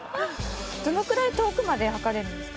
どのくらい遠くまで測れるんですか？